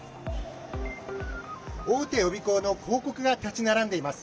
大手予備校の広告が立ち並んでいます。